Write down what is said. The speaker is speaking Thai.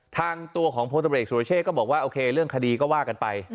ทางตัวของพลตำรวจเอกสุรเชษฐก็บอกว่าโอเคเรื่องคดีก็ว่ากันไป